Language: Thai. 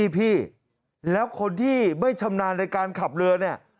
พี่แล้วคนที่ไม่ชำนาญในการขับเรือเนี่ย